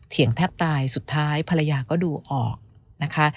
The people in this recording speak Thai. แทบตายสุดท้ายภรรยาก็ดูออกนะคะ